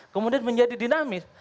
kemudian menjadi dinamis